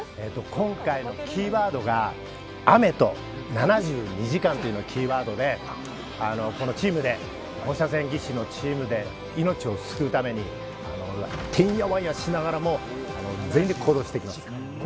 今回のキーワードが雨と７２時間というのがこの放射線技師のチームで命を救うためにてんやわんやしながらも全力で行動していきます。